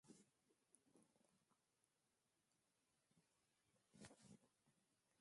Eth tòn parent, hilh mèn.